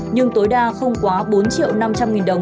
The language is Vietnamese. nhưng tối đa không quá bốn triệu năm trăm linh nghìn đồng